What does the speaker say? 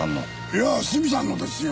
いやスミさんのですよ。